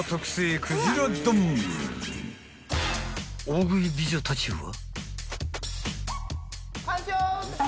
［大食い美女たちは］